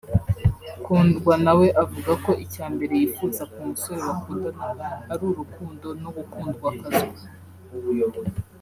Kundwa nawe avuga ko icya mbere yifuza ku musore bakundana ari urukundo no gukundwakazwa